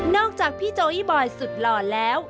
จากพี่โจอี้บอยสุดหล่อแล้ว